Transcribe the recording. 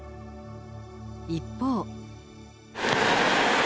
一方。